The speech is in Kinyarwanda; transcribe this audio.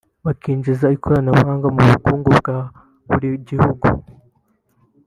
bakinjiza ikoranabuhanga mu bukungu bwa buri gihugu